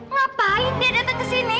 ngapain dia datang ke sini